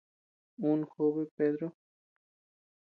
Ún jobe Pedro.